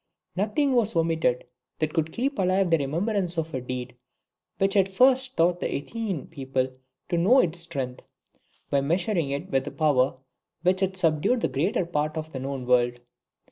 "Nothing was omitted that could keep alive the remembrance of a deed which had first taught the Athenian people to know its own strength, by measuring it with the power which had subdued the greater part of the known world.